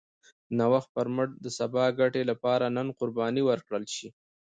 د نوښت پر مټ د سبا ګټې لپاره نن قرباني ورکړل شي.